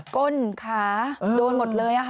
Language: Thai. ก้นขาโดนหมดเลย